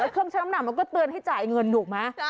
แล้วเครื่องช่างน้ำหนักมันก็เตือนให้จ่ายเงินหนูมา